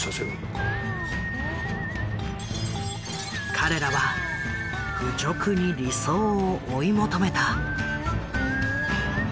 彼らは愚直に理想を追い求めた。